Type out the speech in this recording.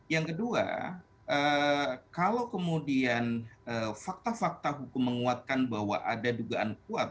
yang kedua kalau kemudian fakta fakta hukum menguatkan bahwa ada dugaan kuat